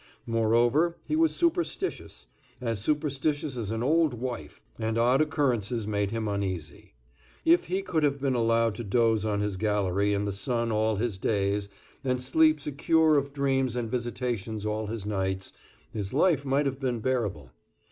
Moreover, he was superstitious, as superstitious as an old wife, and odd occurrences made him uneasy. If he could have been allowed to doze on his gallery in the sun all his days, and sleep secure of dreams and visitations all his nights, his life might have been bearable.